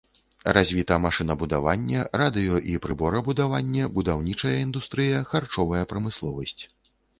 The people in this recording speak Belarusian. Развіта машынабудаванне, радыё- і прыборабудаванне, будаўнічая індустрыя, харчовая прамысловасць.